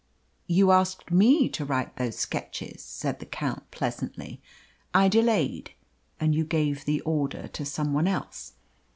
"You asked me to write those sketches," said the Count pleasantly. "I delayed and you gave the order to some one else.